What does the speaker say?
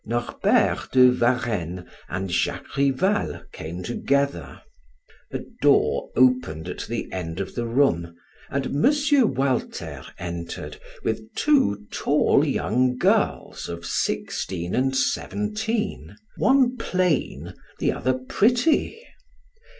Norbert de Varenne and Jacques Rival came together. A door opened at the end of the room, and M. Walter entered with two tall young girls of sixteen and seventeen; one plain, the other pretty.